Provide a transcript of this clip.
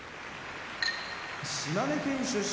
島根県出身